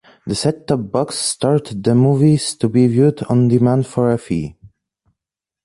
The set-top box stored the movies to be viewed on demand for a fee.